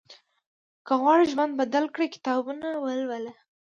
که غواړې ژوند بدل کړې، کتابونه ولوله.